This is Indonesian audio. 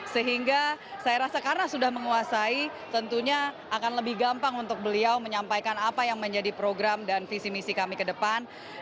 sehingga saya rasa karena sudah menguasai tentunya akan lebih gampang untuk beliau menyampaikan apa yang menjadi program dan visi misi kami ke depan